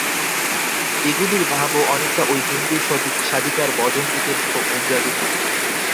এগুলির ভাবও অনেকটা ঐ হিন্দু-সাধিকার ভজনগীতের মত অনুরাগে পূর্ণ।